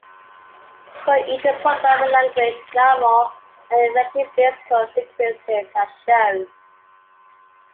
For each programming language, normal and reflection-based call sequences are shown.